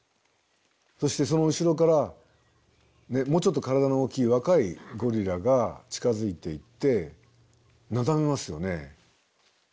そしてその後ろからもうちょっと体の大きい若いゴリラが近づいていってなだめますよね。